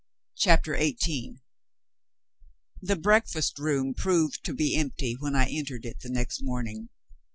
CHAPTER XVIII The breakfast room proved to be empty when I entered it the next morning.